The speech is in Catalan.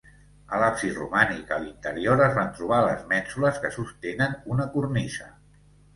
A l'absis romànic, a l'interior, es van trobar les mènsules que sostenen una cornisa.